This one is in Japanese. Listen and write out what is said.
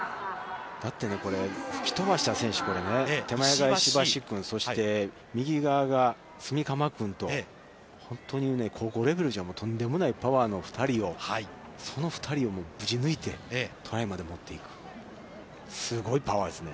吹き飛ばした選手、手前から石橋君、そして、右側が炭竈君と、本当に高校レベルじゃとんでもないパワーの２人をその２人をぶち抜いてトライまで持っていく、すごいパワーですね。